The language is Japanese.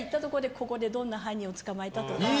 ここでどんな犯人を捕まえたとか。